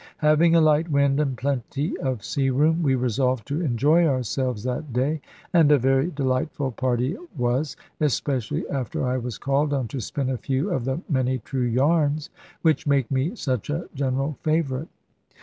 Having a light wind and plenty of sea room, we resolved to enjoy ourselves that day; and a very delightful party it was, especially after I was called on to spin a few of the many true yarns which make me such a general favourite.